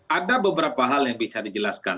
ada beberapa hal yang bisa dijelaskan